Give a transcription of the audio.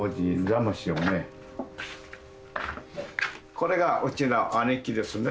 これがうちの兄貴ですね。